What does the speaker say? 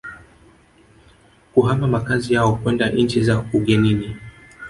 kuhama makazi yao kwenda nchi za ugenini